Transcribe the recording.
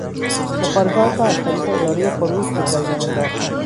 سفارشات را از طریق ادارهی فروش به جریان انداختن